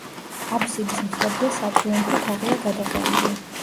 აბსიდის მხრებზე სატრიუმფო თაღია გადაყვანილი.